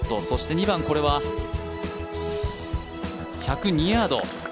そして、２番、１０２ヤード。